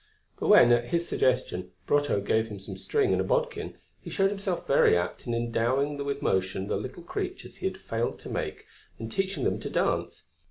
But when, at his suggestion, Brotteaux gave him some string and a bodkin, he showed himself very apt in endowing with motion the little creatures he had failed to make and teaching them to dance.